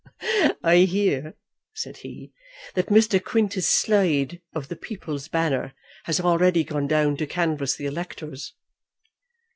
"I hear," said he, "that Mr. Quintus Slide, of the People's Banner, has already gone down to canvass the electors."